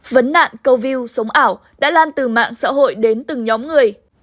vấn nạn câu view ảo đã lan từ mạng xã hội đến từng nhóm người